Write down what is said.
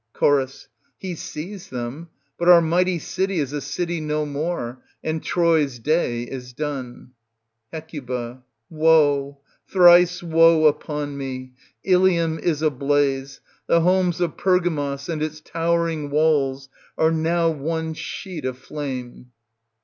Cho. He sees them, but our mighty city is a city no more, and Troy's day is done. Hec Woe ! thrice woe upon me ! Ilium is ablaze ; the homes of Feigamos and its towering walls * are now one sheet of flame.